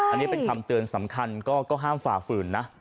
อันนี้เป็นคำเตือนสำคัญก็ห้ามฝ่าฝืนนะ